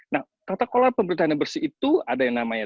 nah tata kelola pemerintahan yang bersih itu ada yang namanya